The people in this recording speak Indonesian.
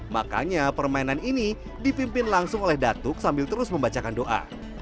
makanya permainan ini dipimpin langsung oleh datuk sambil terus membacakan doa